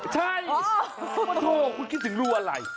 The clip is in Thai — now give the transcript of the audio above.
ใช่พระโทษคุณคิดถึงรูอะไร